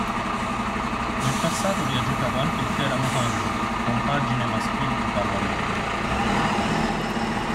Nel passato vi ha giocato anche il Teramo Handball, compagine maschile di pallamano.